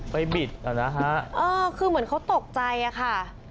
ไปบิดเหมือนเขาตกใจอ่ะค่ะ